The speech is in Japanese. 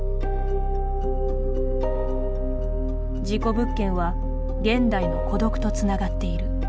事故物件は現代の孤独とつながっている。